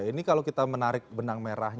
ini kalau kita menarik benang merahnya